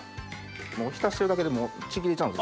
もう浸してるだけでちぎれちゃうんで。